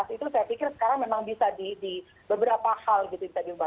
itu saya pikir sekarang memang bisa di beberapa hal gitu bisa diubah